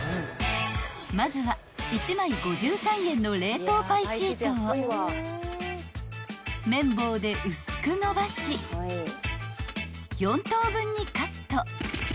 ［まずは１枚５３円の冷凍パイシートを麺棒で薄く延ばし４等分にカット］